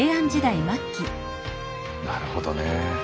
なるほどね。